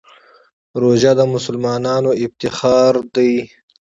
روژه د مسلمانانو افتخار دی.